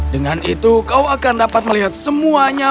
dengan itu kau akan dapat melihat semuanya